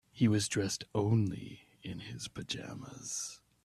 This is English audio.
He was dressed only in his pajamas.